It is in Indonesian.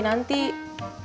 masa jualan itu dikendalikan